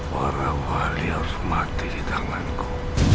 para wali harus mati di tanganku